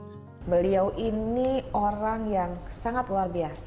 agar anak anak di kampung papring bisa memiliki kekuatan yang sangat luar biasa